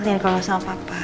ya kalau sama papa